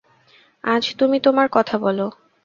আজ তুমি তোমার কথা বল।